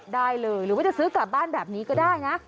ได้เลยหรือว่าจะซื้อกลับบ้านแบบนี้ก็ได้นะ